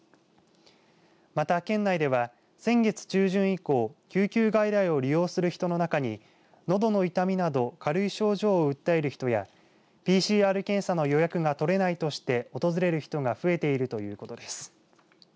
また県内では先月中旬以降救急外来を利用する人の中にのどの痛みなど軽い症状を訴える人やＰＣＲ検査の予約が取れないとして訪れる人が増えているということです。